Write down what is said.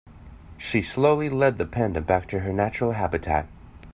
She slowly led the panda back to her natural habitat.